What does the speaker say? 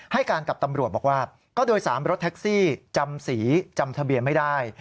ให้การกับตำรวจบอกว่าก็โดย๓รถแท็กซี่จำสีจำทะเบียนไม่ได้